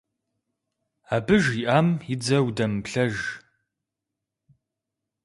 Абы жиӀам и дзэ удэмыплъэж.